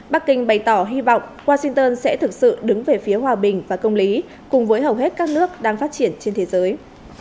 bắc kinh bày tỏ hy vọng washington sẽ thực sự đứng về phía hòa bình và công lý cùng với hầu hết các nước đang phát triển trên thế giới